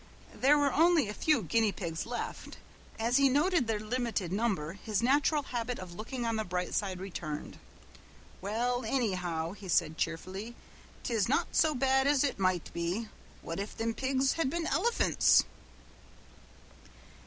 There were only a few guinea pigs left. As he noted their limited number his natural habit of looking on the bright side returned. "Well, annyhow," he said cheerfully, "'tis not so bad as ut might be. What if thim dago pigs had been elephants!"